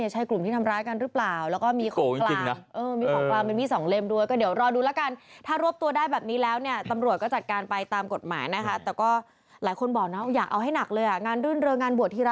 จิคโกจริง